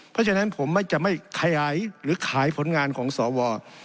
เพราะฉะนั้นผมจะไม่ขยายหรือขายผลงานของสว